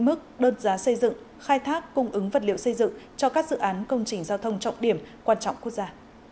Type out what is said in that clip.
mức đơn giá xây dựng khai thác cung ứng vật liệu xây dựng cho các dự án công trình giao thông trọng điểm quan trọng quốc gia